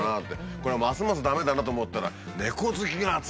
これはますます駄目だなと思ったらねえ！